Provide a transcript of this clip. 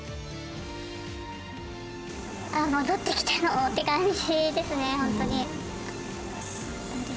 あー、戻ってきたのって感じですね、本当に。